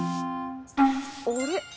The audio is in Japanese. あれ？